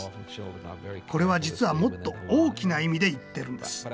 これは実はもっと大きな意味で言っているんです。